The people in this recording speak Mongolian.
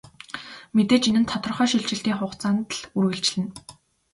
Мэдээж энэ нь тодорхой шилжилтийн хугацаанд л үргэлжилнэ.